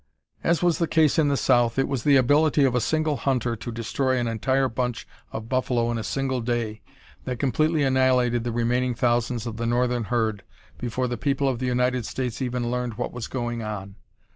As was the case in the south, it was the ability of a single hunter to destroy an entire bunch of buffalo in a single day that completely annihilated the remaining thousands of the northern herd before the people of the United States even learned what was going on.